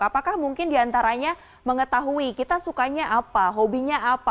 apakah mungkin diantaranya mengetahui kita sukanya apa hobinya apa